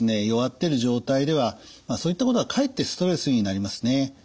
弱ってる状態ではそういったことはかえってストレスになりますね。